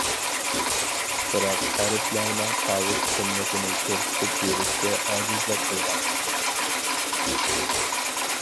بىراق ھەرپلەرنىڭ تاۋۇش قىممىتىنى كۆرسىتىپ بېرىشكە ئاجىزلىق قىلغان.